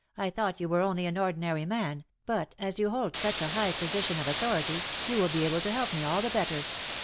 '' I thought you were only an ordinary man, but as you hold such a high position of authority you will be able to help me all the better.